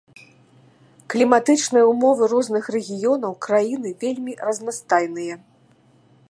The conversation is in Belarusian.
Кліматычныя ўмовы розных рэгіёнаў краіны вельмі разнастайныя.